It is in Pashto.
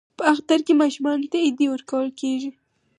په اختر کې ماشومانو ته ایډي ورکول کیږي.